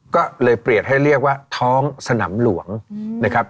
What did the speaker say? ก็เลยเปลี่ยนให้เรียกว่าท้องสนามหลวงนะครับ